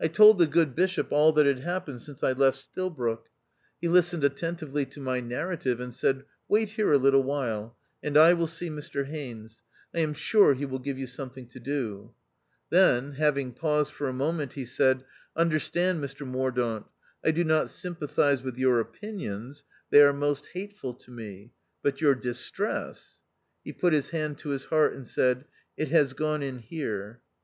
I told the good Bishop all that had happened since I left Stilbroke. He listened attentively to my narrative, and said, " Wait here a little while, and I will see Mr Haines : I am sure he will give you something to do." Then, having paused for a moment, he said, " Un derstand, Mr Mordaunt, I do not sympathise with your opinions ; they are most hateful to me ; but your distress " He put his hand to his heart, and said, " it has gone in here."